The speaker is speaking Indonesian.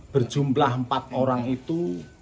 berjumlah empat orang itu